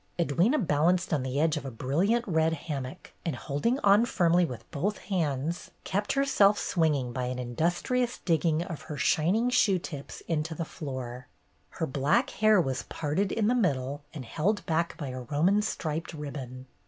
Edwyna balanced on the edge of a brilliant red hammock, and holding on firmly with 172 BETTY BAIRD^S GOLDEN YEAR both hands, kept herself swinging by an industrious digging of her shining shoe tips into the floor. Her black hair was parted in the middle and held back by a Roman striped ribbon.